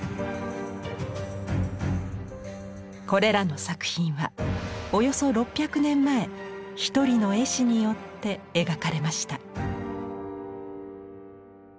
これらの作品はおよそ６００年前一人の絵師によって描かれました。